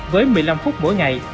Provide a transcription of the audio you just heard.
với một mươi năm phút mỗi ngày